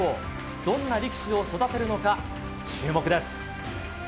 どんな力士を育てるのか、注目です。